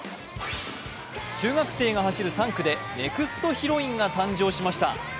中学生が走る３区でネクストヒロインが誕生しました。